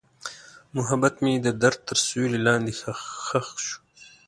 محبت مې د درد تر سیوري لاندې ښخ شو.